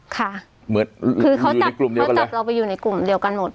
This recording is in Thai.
คือเขาจับเราไปอยู่ในกลุ่มเดียวกันหมด